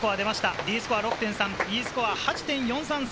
Ｄスコア６．３、Ｅスコア８．４３３。